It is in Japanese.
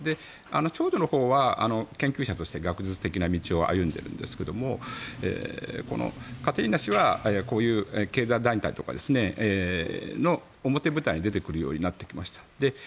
長女のほうは研究者として学術者的な道を歩んでいるんですがこのカテリーナ氏はこういう経済団体とかの表舞台に出てくるようになってきました。